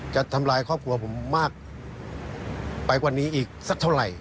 จะทำลายครอบครัวผมมากไปกว่านี้อีกสักเท่าไหร่